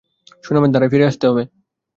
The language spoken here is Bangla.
সুনামের ধারায় ফিরে আসতে হবে।